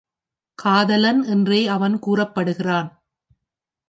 காதலன் என்றே அவன் கூறப்படுகிறான்.